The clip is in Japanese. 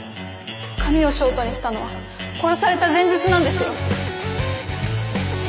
髪をショートにしたのは殺された前日なんですよ。